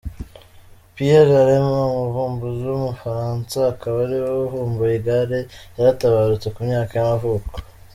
Pierre Lallement, umuvumbuzi w’umufaransa akaba ariwe wavumbuye igare yaratabarutse, ku myaka y’amavuko.